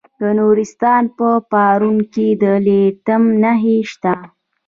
د نورستان په پارون کې د لیتیم نښې شته.